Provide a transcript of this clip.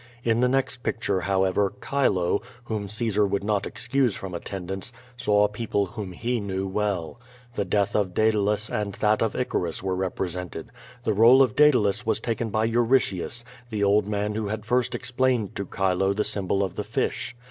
In the next picture, however, Chilo, whom Caesar would not excuse from attendance, saw {)eopIe whom he knew well. The death of Daedalus and that QUO VADI8. 435 of Icarus were represented. The role of Daedalus was taken by Euritius, the old man who had first explained to Chilo the symbol of the fish.